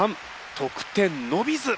得点伸びず！